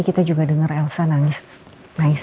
kita juga denger elsa nangis